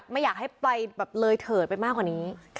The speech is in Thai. ไม่อยากให้ไปแบบเลยเถิดไปมากกว่านี้